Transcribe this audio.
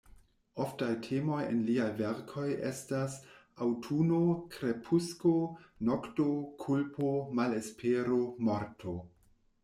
Oftaj temoj en liaj verkoj estas: aŭtuno, krepusko, nokto; kulpo, malespero, morto.